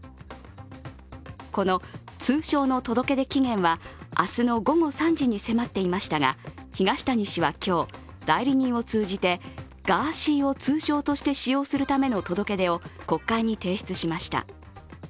この通称の届け出期間は、明日の午後３時に迫っていましたが、東谷氏は今日、代理人を通じてガーシーを通称として使用するための届け出を国会に提出しました。